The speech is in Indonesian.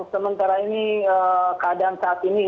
sementara ini keadaan saat ini